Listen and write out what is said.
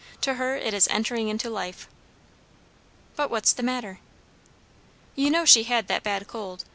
To her, it is entering into life." "But what's the matter?" "You know she had that bad cold.